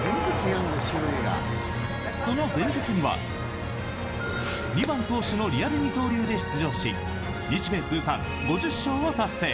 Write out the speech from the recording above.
その前日には２番投手のリアル二刀流で出場し日米通算５０勝を達成！